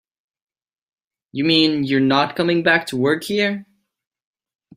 You mean you're not coming back to work here?